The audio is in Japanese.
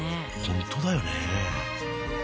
本当だよね。